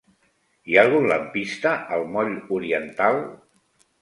Hi ha algun lampista al moll Oriental?